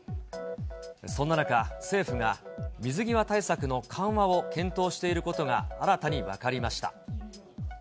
そんな中、政府が水際対策の緩和を検討していることが、新たに分かりました。